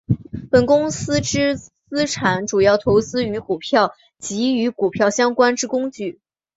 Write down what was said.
本公司之资产主要投资于股票及与股票相关之工具。